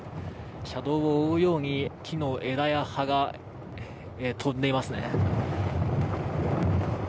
車道を覆うように木の枝や葉が飛んでいますね。